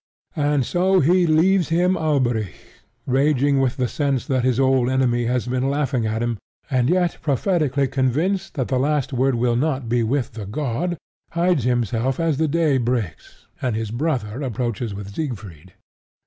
And so he leaves him Alberic, raging with the sense that his old enemy has been laughing at him, and yet prophetically convinced that the last word will not be with the god, hides himself as the day breaks, and his brother approaches with Siegfried.